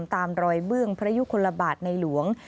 ตามรอยเบื้องพระยุคลบาทในหลวง